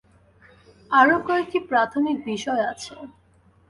আরও কয়েকটি প্রাথমিক বিষয় আছে।